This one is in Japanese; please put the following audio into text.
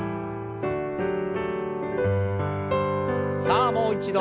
さあもう一度。